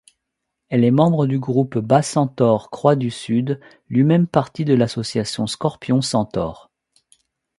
Elle est membre du groupe Bas-Centaure Croix du Sud, lui-même partie de l'association Scorpion-Centaure.